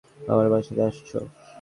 আমারে বাঁচাইতে আসছো!